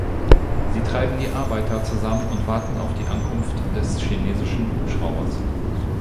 Sie treiben die Arbeiter zusammen und warten auf die Ankunft des chinesischen Hubschraubers.